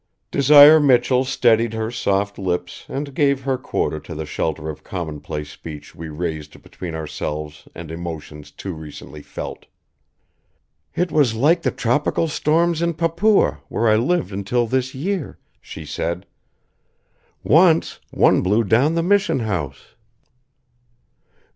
Desire Michell steadied her soft lips and gave her quota to the shelter of commonplace speech we raised between ourselves and emotions too recently felt. "It was like the tropical storms in Papua, where I lived until this year," she said. "Once, one blew down the mission house."